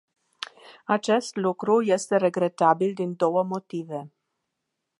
Acest lucru este regretabil din două motive.